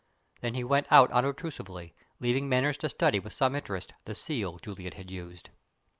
Then he went out unobtrusively, leaving Manners to study with some interest the seal Juliet had used.